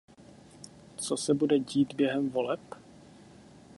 Co se bude dít během voleb?